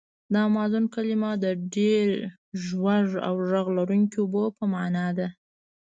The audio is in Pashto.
د امازون کلمه د ډېر زوږ او غږ لرونکي اوبو په معنا ده.